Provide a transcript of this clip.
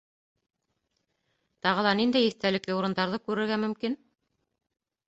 Тағы ла ниндәй иҫтәлекле урындарҙы күрергә мөмкин?